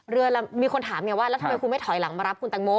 เรือลำมีคนถามอย่างเงี้ยว่าแล้วทำไมคุณไม่ถอยหลังมารับคุณตังโม